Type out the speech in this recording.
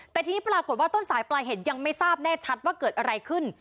แต่ทีนี้ปรากฏว่าต้นสายปลายเหตุยังไม่ทราบแน่ชัดว่าเกิดอะไรขึ้น